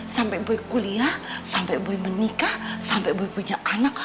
sampai boy kuliah sampai boy menikah sampai punya anak